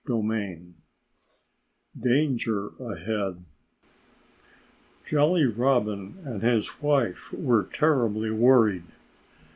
XVI DANGER AHEAD Jolly Robin and his wife were terribly worried.